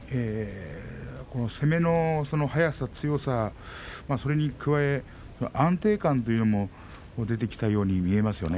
攻めの速さ、強さそれに加えて安定感というのも出てきたように見えますよね。